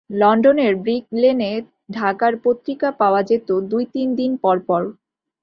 লন্ডনের ব্রিক লেনে ঢাকার পত্রিকা পাওয়া যেত দুই তিন দিন পর পর।